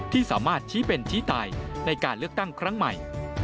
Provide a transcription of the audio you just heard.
ที่สามารถชี้เป็นชี้ตายในการเลือกตั้งครั้งใหม่